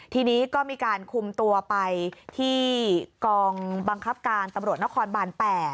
ทีนี้ก็มีการคุมตัวไปที่กองบังคับการตำรวจนครบาน๘